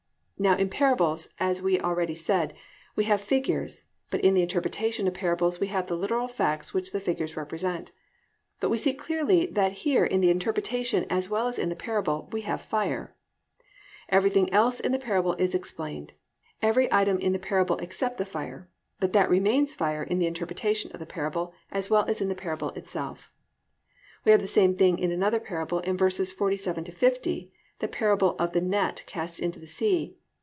Now in parables, as already said, we have figures, but in the interpretation of parables we have the literal facts which the figures represent, but we see clearly that here in the interpretation as well as in the parable, we have fire. Everything else in the parable is explained, every item in the parable except the fire, but that remains fire in the interpretation of the parable as well as in the parable itself. We find the same thing in another parable in verses 47 to 50, the parable of the net cast into the sea.